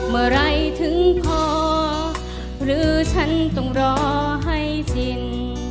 เมื่อไหร่ถึงพอหรือฉันต้องรอให้จริง